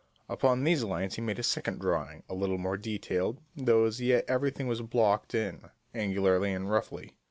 Upon these lines he made a second drawing a little more detailed, though as yet everything was blocked in, angularly and roughly.